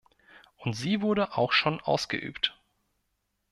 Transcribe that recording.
Und sie wurde auch schon ausgeübt.